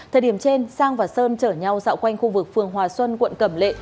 thời điểm trên sang và sơn chở nhau dạo quanh khu vực phường hòa xuân quận cẩm lệ